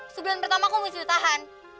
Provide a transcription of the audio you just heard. sebulan pertama aku mesti tahan